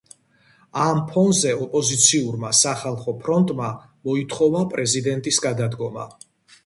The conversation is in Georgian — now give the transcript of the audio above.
ამ ფონზე ოპოზიციურმა სახალხო ფრონტმა მოითხოვა პრეზიდენტის გადადგომა.